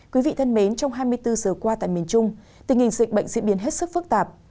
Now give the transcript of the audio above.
quý vị thân mến trong hai mươi bốn giờ qua tại miền trung tình hình dịch bệnh diễn biến hết sức phức tạp